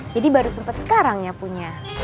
jadi baru sempet sekarang nyapunya